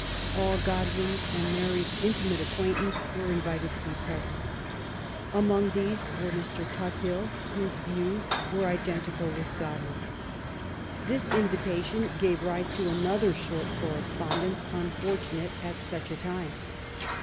All Godwin's and Mary^s intimate acquaintances were invited to be present. Among these was Mr. Tuthil, whose views were 208 MARY W0LL8T0NECBAFT GODWIN. identical with GtKlwin's. This inritation gave rise to another short correspondence^ unfortunate at such a time.